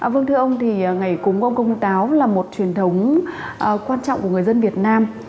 vâng thưa ông thì ngày cúng ông công táo là một truyền thống quan trọng của người dân việt nam